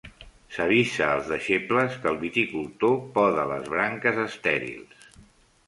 S'avisa als deixebles que el viticultor poda les branques estèrils.